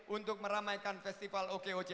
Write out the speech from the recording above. untuk meramaikan festival okoc